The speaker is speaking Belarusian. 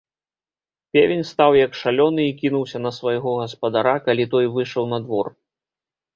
Певень стаў як шалёны і кінуўся на свайго гаспадара, калі той выйшаў на двор.